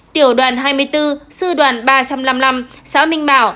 tiểu đoàn hai mươi bốn sư đoàn ba trăm năm mươi năm xã minh bảo